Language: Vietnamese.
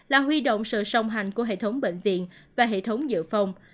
là huy động sự song hành của hệ thống bệnh viện và hệ thống dự phòng